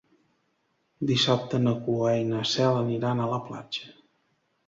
Dissabte na Cloè i na Cel aniran a la platja.